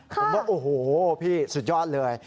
ครับพี่สุดยอดเลย